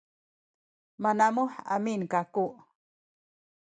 manamuh amin kaku